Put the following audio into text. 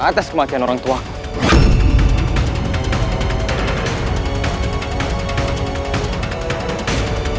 atas kematian orangtuaku